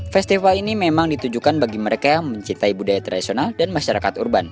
festival ini memang ditujukan bagi mereka yang mencintai budaya tradisional dan masyarakat urban